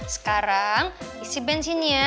sekarang isi bensinnya